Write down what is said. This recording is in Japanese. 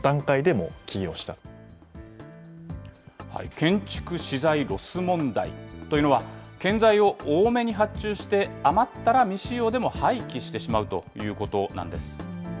建築資材ロス問題というのは、建材を多めに発注して、余ったら未使用でも廃棄してしまうということなんです。